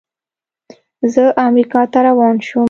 زه امریکا ته روان شوم.